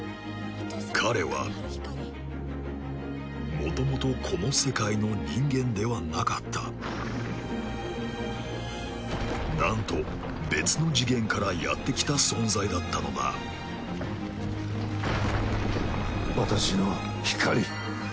彼はもともとこの世界の人間ではなかったなんと別の次元からやってきた存在だったのだ私の光。